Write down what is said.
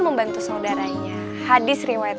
membantu saudaranya hadits riwayat